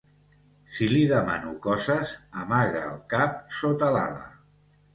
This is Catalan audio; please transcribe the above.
Si li demano coses, amaga el cap sota l'ala.